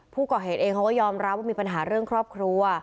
ผู้ก่อเหตุเองเขาก็ยอมรับว่ามีปัญหาเรื่องครอบครัว